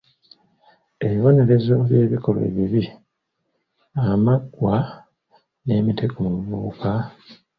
Ebibonerezo by’ebikolwa ebibi Amaggwa n’Emitego mu Buvubuka?